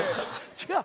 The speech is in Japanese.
違う！